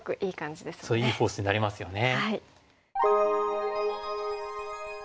いいフォースになりますよね。